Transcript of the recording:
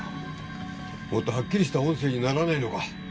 もっとはっきりした音声にならないのか？